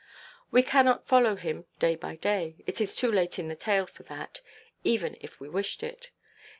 We cannot follow him, day by day. It is too late in the tale for that, even if we wished it.